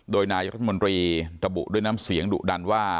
โดยนายรัฐมนตรีระบุด้วยน้ำเสียงดุดันว่า